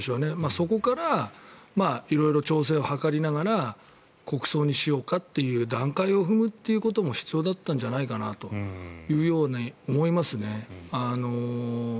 そこから色々調整を図りながら国葬にしようかという段階を踏むということも必要だったんじゃないかというように思いますね。